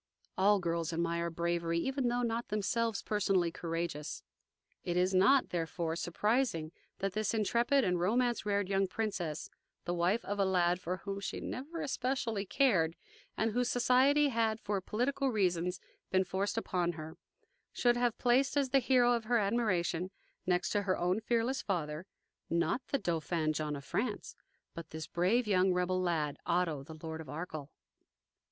All girls admire bravery, even though not themselves personally courageous. It is not, therefore, surprising that this intrepid and romance reared young princess, the wife of a lad for whom she never especially cared, and whose society had for political reasons been forced upon her, should have placed as the hero of her admiration, next to her own fearless father, not the Dauphin John of France, but this brave young rebel lad, Otto, the Lord of Arkell.